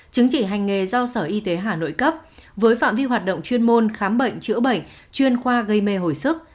chứng chỉ hành nghề do sở y tế hà nội cấp với phạm vi hoạt động chuyên môn khám bệnh chữa bệnh chuyên khoa gây mê hồi sức